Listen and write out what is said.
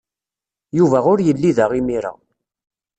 Yuba ur yelli da imir-a.